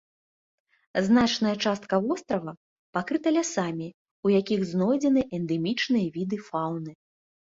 Значная частка вострава пакрыта лясамі, у якіх знойдзены эндэмічныя віды фаўны.